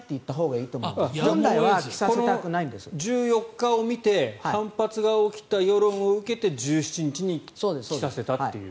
１４日を見て反発が起きた世論を受けて１７日に着させたという。